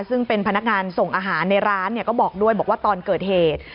ซึ่งเป็นพนักงานส่งอาหารในร้านก็บอกด้วยบอกว่าตอนเกิดเหตุ